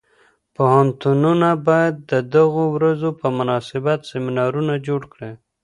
پوهنتونونه باید د دغو ورځو په مناسبت سیمینارونه جوړ کړي.